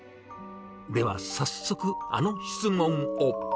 では、早速あの質問を。